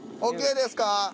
ＯＫですか？